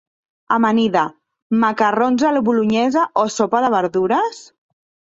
Amanida, macarrons a la bolonyesa o sopa de verdures?